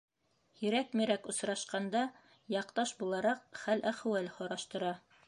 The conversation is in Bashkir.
Һирәк-мирәк осрашҡанда, яҡташ булараҡ, хәл-әхүәл һораштыра.